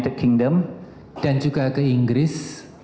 dan juga ke inggris